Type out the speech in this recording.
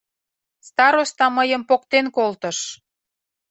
— Староста мыйым поктен колтыш.